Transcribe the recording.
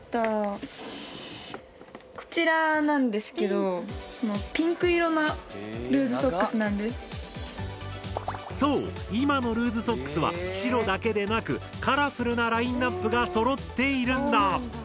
こちらなんですけどそう今のルーズソックスは白だけでなくカラフルなラインナップがそろっているんだ。